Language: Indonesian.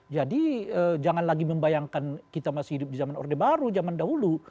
jadi jangan lagi membayangkan kita masih hidup di zaman orde baru zaman dahulu